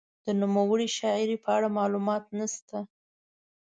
د نوموړې شاعرې په اړه معلومات نشته.